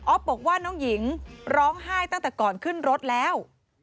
บอกว่าน้องหญิงร้องไห้ตั้งแต่ก่อนขึ้นรถแล้ว